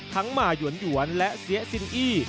ทั้งหม่าหยวนอยวนและเซี๊อะซินอี